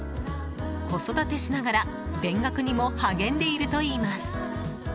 子育てしながら勉学にも励んでいるといいます。